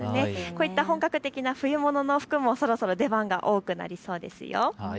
こういった本格的な冬物の服もそろそろ出番が多くなりそうです。